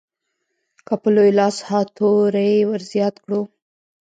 که په لوی لاس ها توری ورزیات کړو.